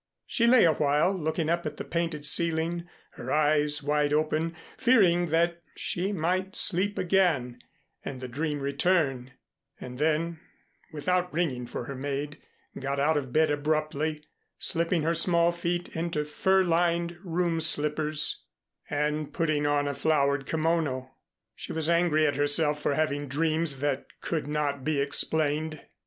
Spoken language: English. She lay awhile looking up at the painted ceiling, her eyes wide open, fearing that she might sleep again and the dream return; and then, without ringing for her maid, got out of bed abruptly, slipping her small feet into fur lined room slippers and putting on a flowered kimono. She was angry at herself for having dreams that could not be explained.